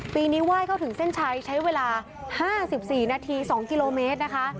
ปีนี้ไหว้เข้าถึงเส้นชัยใช้เวลา๕๔นาที๒กิโลเมตรนะคะ